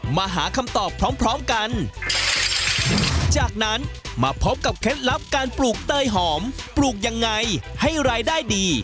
มาหาคำตอบพร้อมพร้อมกันจากนั้นมาพบกับเคล็ดลับการปลูกเตยหอมปลูกยังไงให้รายได้ดี